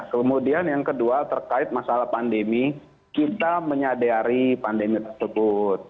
kemudian yang kedua terkait masalah pandemi kita menyadari pandemi tersebut